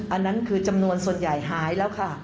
อันนั้นคือจำนวนส่วนใหญ่หายแล้วค่ะ